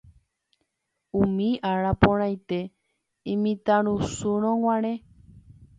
umi ára porãite imitãrusúrõguare